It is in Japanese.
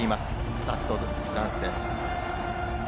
スタッド・ド・フランスです。